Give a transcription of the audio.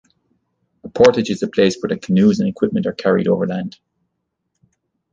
A portage is a place where the canoes and equipment are carried over land.